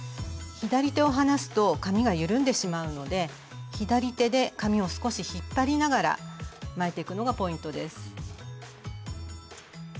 左手を離すと紙が緩んでしまうので左手で紙を少し引っ張りながら巻いていくのがポイントです。